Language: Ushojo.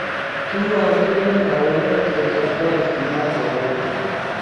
تو اکیڈیمک حوالو طریقہ کار استعمال تھوبئینا ل